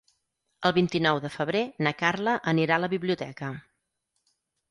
El vint-i-nou de febrer na Carla anirà a la biblioteca.